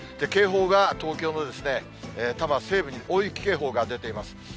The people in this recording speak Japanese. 警報が東京の多摩西部に大雪警報が出ています。